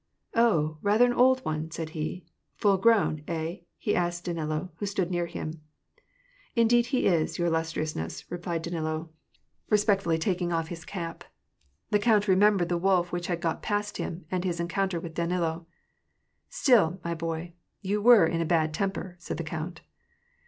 " Oh, rather an old one," said he. " Full grown, hey ?he asked of Danilo, who stood near him. " Indeed he is, your illustriousness," replied Danilo, respect WAR AND PEACE. 263 fully taking off his cap. The connt remembered the wolf which had got past him, and his encounter with Danilo. " Stilly my boy, you were in a bad temper," said the count.